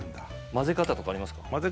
混ぜ方とかありますか？